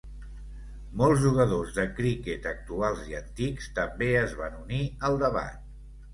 Molts jugadors de criquet actuals i antics també es van unir al debat.